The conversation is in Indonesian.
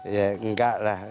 ya enggak lah